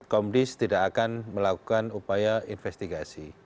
komdis tidak akan melakukan upaya investigasi